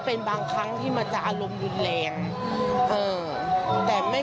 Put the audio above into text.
โปรดติดตามต่อไป